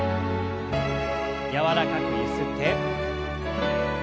柔らかくゆすって。